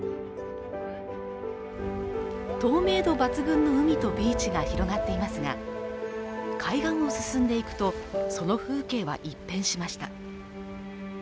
透明度抜群の海とビーチが広がっていますが、海岸を進んでいくと、その風景は一変しました。